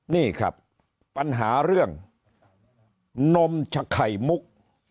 นี่ครับปัญหาเรื่องนมชะไข่มุก